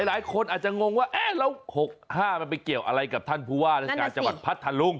หลายคนอาจจะงงว่าเอ๊ะแล้ว๖๕มันไปเกี่ยวอะไรกับท่านผู้ว่าราชการจังหวัดพัทธลุง